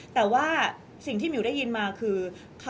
แต่ว่าสิ่งที่หมิวได้ยินมาคือ